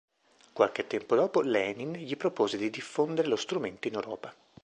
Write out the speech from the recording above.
Qualche tempo dopo Lenin gli propose di diffondere lo strumento in Europa.